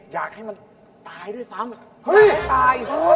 อยากให้มันตายด้วยซ้ำ